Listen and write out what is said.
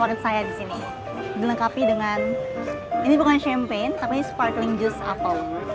ini bukan champagne tapi sparkling juice apple